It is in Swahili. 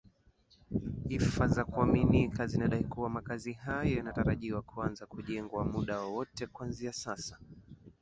ifa za kuaminika zinadai kuwa makazi hayo yanatarajiwa kuanza kujengwa muda wowote kuanzia sasa